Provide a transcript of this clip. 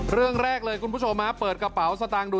เรื่องแรกเลยคุณผู้ชมเปิดกระเป๋าสตางค์ดู